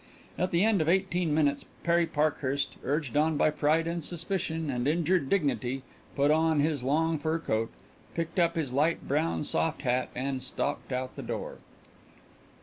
At the end of eighteen minutes Perry Parkhurst, urged on by pride and suspicion and injured dignity, put on his long fur coat, picked up his light brown soft hat, and stalked out the door.